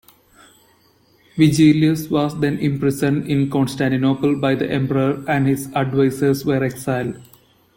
Vigilius was then imprisoned in Constantinople by the emperor and his advisors were exiled.